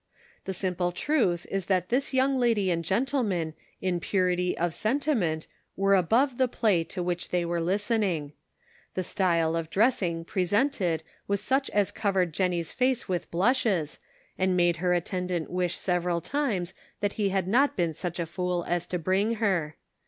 The simple truth is that this young lady and gen tleman in purity of sentiment were above the play to which they were listening. The style of dressing presented was such as covered Jennie's face with blushes, and made her at tendant wish several times that he had not been such a fool as to bring her.